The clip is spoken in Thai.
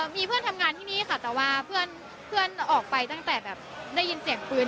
มีเพื่อนทำงานที่นี่ค่ะแต่ว่าเพื่อนออกไปตั้งแต่แบบได้ยินเสียงปืน